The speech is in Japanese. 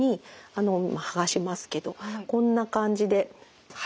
あの剥がしますけどこんな感じではい。